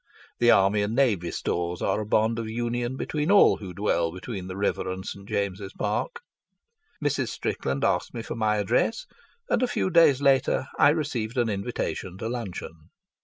The Army and Navy Stores are a bond of union between all who dwell between the river and St. James's Park. Mrs. Strickland asked me for my address, and a few days later I received an invitation to luncheon.